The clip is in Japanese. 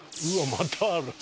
まだある。